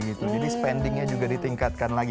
jadi spendingnya juga ditingkatkan lagi